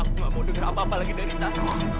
aku gak mau denger apa apa lagi dari tante